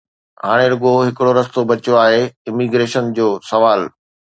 ھاڻي رڳو ھڪڙو رستو بچيو آھي: اميگريشن جو سوال